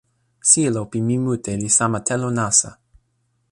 sijelo pi mi mute li sama telo nasa.